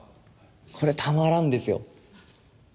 これたまらんですよ。